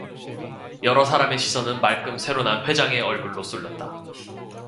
여러 사람의 시선은 말끔 새로 난 회장의 얼굴로 쏠렸다.